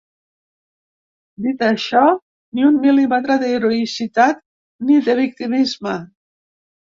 Dit això, ni un mil·límetre d’heroïcitat ni de victimisme.